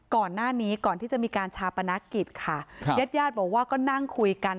ก่อนหน้านี้ก่อนที่จะมีการชาปนกิจค่ะครับญาติญาติบอกว่าก็นั่งคุยกัน